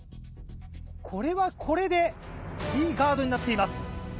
これはこれでいいガードになっています。